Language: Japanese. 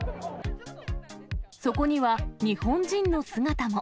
そこには日本人の姿も。